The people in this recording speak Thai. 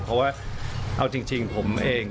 เพราะว่าเอาจริงผมเอง